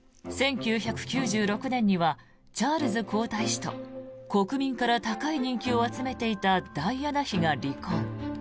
１９９６年にはチャールズ皇太子と国民から高い人気を集めていたダイアナ妃が離婚。